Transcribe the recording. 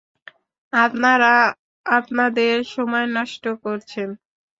আপনারা আপনাদের সময় নষ্ট করছেন!